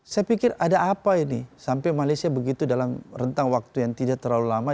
saya pikir ada apa ini sampai malaysia begitu dalam rentang waktu yang tidak terlalu lama